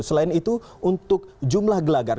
selain itu untuk jumlah gelagar